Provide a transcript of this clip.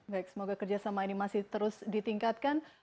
baik semoga kerjasama ini masih terus ditingkatkan